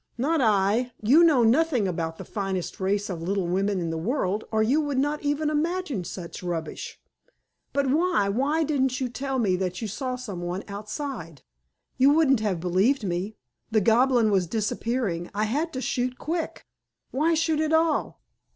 "Not I. You know nothing about the finest race of little women in the world, or you would not even imagine such rubbish." "But why, why, didn't you tell me that you saw someone outside?" "You wouldn't have believed me. The goblin was disappearing. I had to shoot quick." "Why shoot at all?"